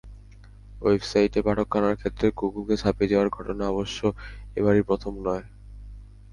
ওয়েবসাইটে পাঠক আনার ক্ষেত্রে গুগলকে ছাপিয়ে যাওয়ার ঘটনা অবশ্য এবারই প্রথম নয়।